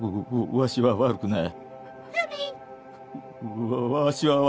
ワシは悪くない。